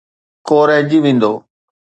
ڪو رهجي ويندو.